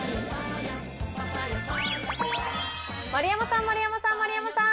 丸山さん、丸山さん、丸山さん！